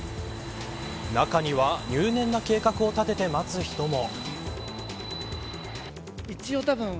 中には入念な計画を立てて待つ人も。